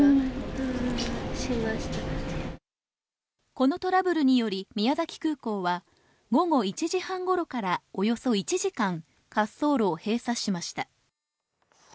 このトラブルにより宮崎空港は、午後１時半ごろからおよそ１時間、滑走路を閉鎖しました。